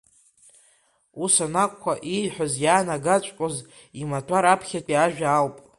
Ус анакәха, ииҳәаз иаанагаҵәҟьоз имаҭәар аԥхьатәи ажәа ауп…